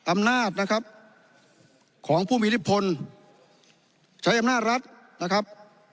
อำนาจนะครับของผู้มีอิทธิพลใช้อำนาจรัฐนะครับ